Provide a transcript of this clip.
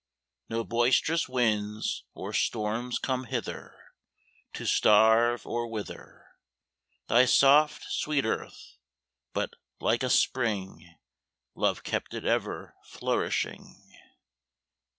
No boysterous winds or stormes come hither, To starve or wither Thy soft sweet earth! but, like a spring, Love kept it ever flourishing.